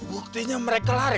buktinya mereka lari